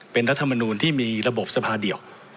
เป็นรัฐมนูลที่มีระบบสภาเดียว